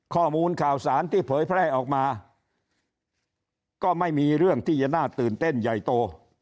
ข้อมูลข่าวสารที่เผยแพร่ออกมาก็ไม่มีเรื่องที่จะน่าตื่นเต้นใหญ่โต